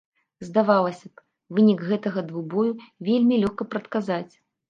Здавалася б, вынік гэтага двубою вельмі лёгка прадказаць.